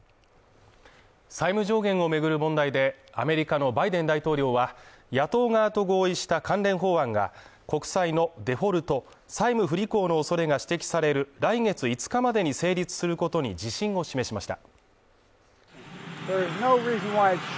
債務上限を巡る問題でアメリカのバイデン大統領は野党側と合意した関連法案が国債のデフォルト＝債務不履行の恐れが指摘される来月５日までに成立することに自信を示しました。